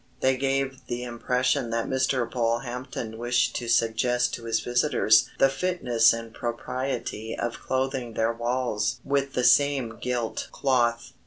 They gave the impression that Mr. Polehampton wished to suggest to his visitors the fitness and propriety of clothing their walls with the same gilt cloth.